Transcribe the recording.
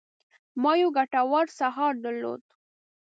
ما یو ګټور سهار درلود.